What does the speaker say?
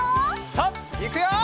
さあいくよ！